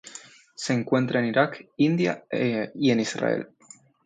Se encuentra en Irak, India y en Israel.